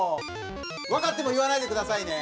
わかっても言わないでくださいね。